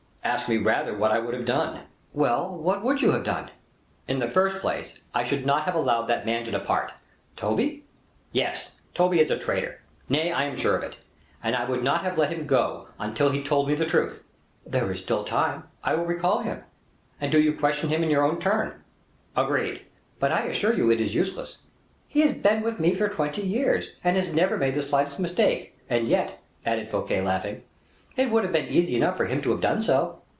"Ask me rather what I would have done?" "Well! what would you have done?" "In the first place, I should not have allowed that man to depart." "Toby?" "Yes; Toby is a traitor. Nay, I am sure of it, and I would not have let him go until he had told me the truth." "There is still time. I will recall him, and do you question him in your turn." "Agreed." "But I assure you it is useless. He has been with me for twenty years, and has never made the slightest mistake, and yet," added Fouquet, laughing, "it would have been easy enough for him to have done so."